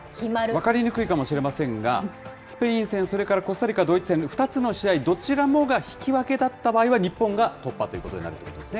分かりにくいかもしれませんが、スペイン戦、それからコスタリカ対ドイツ戦、どちらもが引き分けだった場合は、日本が突破ということになるというわけですね。